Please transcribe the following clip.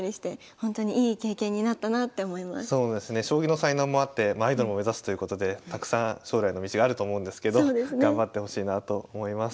将棋の才能もあってアイドルも目指すということでたくさん将来の道があると思うんですけど頑張ってほしいなと思います。